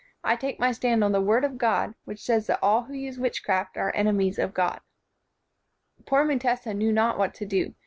I take my stand on the Word of God, which says that all who use witchcraft are enemies of God." Poor Mutesa knew not what to do.